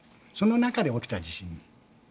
その中で起きた地震。